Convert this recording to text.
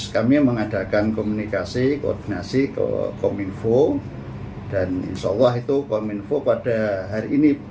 kami mengadakan komunikasi koordinasi ke kominfo dan insya allah itu kominfo pada hari ini